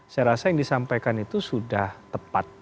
saya rasa yang disampaikan itu sudah tepat